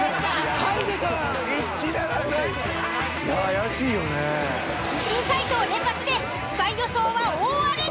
珍回答連発でスパイ予想は大荒れに。